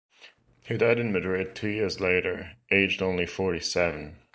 He died in Madrid two years later, aged only forty-seven.